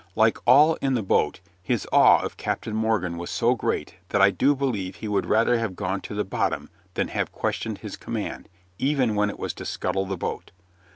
Like all in the boat, his awe of Captain Morgan was so great that I do believe he would rather have gone to the bottom than have questioned his command, even when it was to scuttle the boat.